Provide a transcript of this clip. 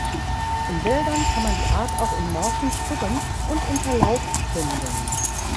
In Wäldern kann man die Art auch in morschen Stubben und unter Laub finden.